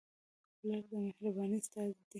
پلار د مهربانۍ استازی دی.